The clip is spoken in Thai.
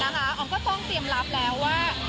นะคะอ๋อ๋มก็ต้องเตรียมลับแล้วว่า